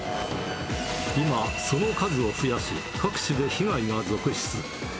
今、その数を増やし、各地で被害が続出。